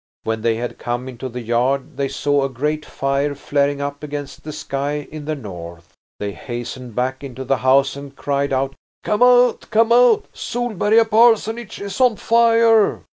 When they had come into the yard they saw a great fire flaring up against the sky in the north. They hastened back into the house and cried out: "Come out! Come out! Solberga parsonage is on fire!"